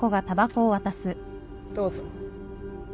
どうぞ。